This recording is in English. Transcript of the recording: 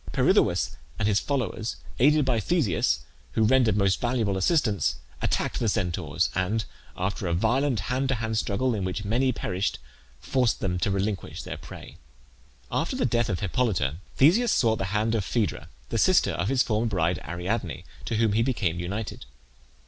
Pirithoeus and his followers, aided by Theseus, who rendered most valuable assistance, attacked the Centaurs, and after a violent hand to hand struggle in which many perished, forced them to relinquish their prey. After the death of Hippolyte Theseus sought the hand of Phaedra, the sister of his former bride Ariadne, to whom he became united.